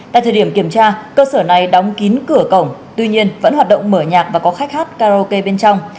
tại thời điểm kiểm tra cơ sở này đóng kín cửa cổng tuy nhiên vẫn hoạt động mở nhạc và có khách hát karaoke bên trong